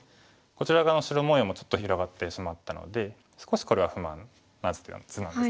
こちら側の白模様もちょっと広がってしまったので少しこれは不満な図なんですね。